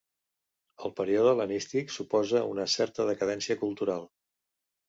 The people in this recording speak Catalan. El període hel·lenístic suposa una certa decadència cultural.